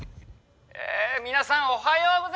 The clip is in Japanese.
え皆さんおはようございます！